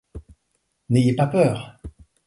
N’ayez pas peur.